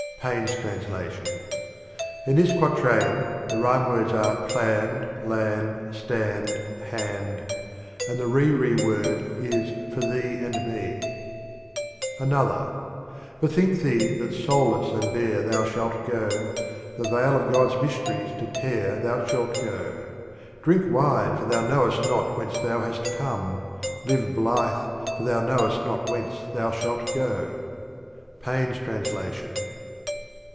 — Payne s Translation, In this quatrain the rhyme words are J "plan ned." "land/ 1 "stand," 41 hand" and the rere word " for thee and me," Another : Bethink thee that soulless and bare thou shalt The veil of God's mysteries to tear thou shall go; Drinlf wine, for thou knowest not whence thou hast come; L i ve bli the , for thou know est not w he nee thou s ha U g o .— Payne's Translation.